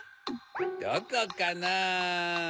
どこかなぁ？